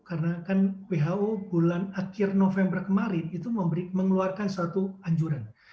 karena kan who bulan akhir november kemarin itu mengeluarkan suatu anjuran